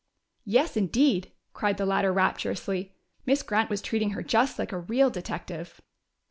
"Yes, indeed!" cried the latter rapturously. Miss Grant was treating her just like a real detective!